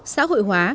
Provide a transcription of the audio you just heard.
xã hội hóa